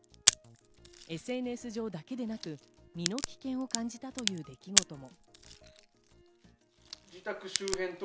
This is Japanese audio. ＳＮＳ上だけでなく身の危険を感じたという出来事も。